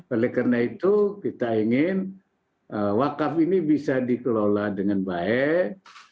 oleh karena itu kita ingin wakaf ini bisa dikelola dengan baik